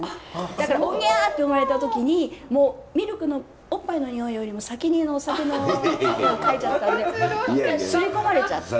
だから「おんぎゃ」って生まれた時にもうミルクのおっぱいの匂いよりも先にお酒の匂いを嗅いじゃったんで刷り込まれちゃって。